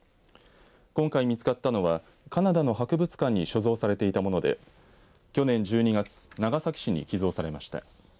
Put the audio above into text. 今回見つかったのはカナダの博物館に所蔵されていたもので去年１２月長崎市に寄贈されました。